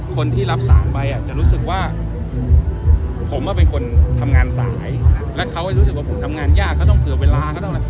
คนที่รับสายไปจะรู้สึกว่าผมเป็นคนทำงานสายแล้วเขารู้สึกว่าผมทำงานยากเขาต้องเผื่อเวลาก็ต้องอะไร